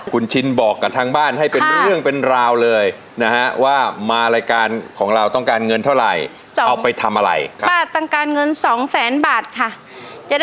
คุณชินบอกกับทางบ้านให้เป็นเรื่องเป็นราวเลยนะฮะ